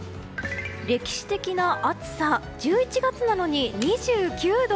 歴史的な暑さ１１月なのに２９度。